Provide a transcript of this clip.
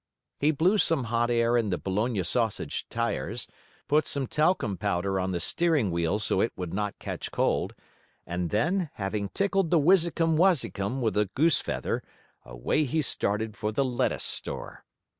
He blew some hot air in the bologna sausage tires, put some talcum powder on the steering wheel so it would not catch cold, and then, having tickled the whizzicum whazzicum with a goose feather, away he started for the lettuce store.